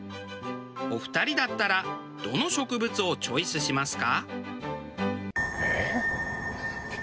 お二人だったらどの植物をチョイスしますか？